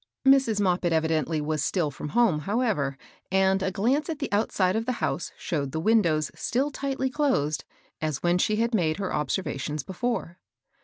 Mrs. Moppit evidently was still from home, however ; and a glance at the outside of the house showed the wiui dows still tightly closed, as when she had made her observations before.